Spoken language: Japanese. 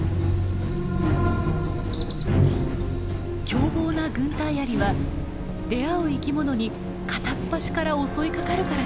凶暴なグンタイアリは出会う生き物に片っ端から襲いかかるからです。